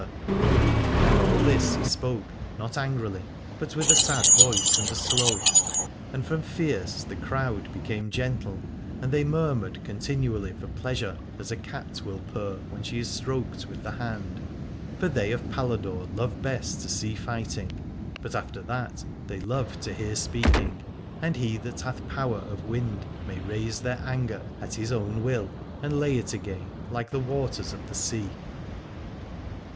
244 Aladore And all this he spoke not angrily but with a sad voice and a slow : and from fierce the crowd became gentle, and they murmured continually for pleasure as a cat will purr when she is stroked with the hand. For they of Paladore love best to see fighting, but after that they love to hear speaking, and he that hath power of wind may raise their anger at his own will and lay it again, like the waters of the sea.